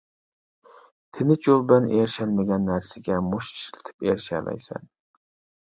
تىنچ يول بىلەن ئېرىشەلمىگەن نەرسىگە مۇشت ئىشلىتىپ ئېرىشەلەيسەن.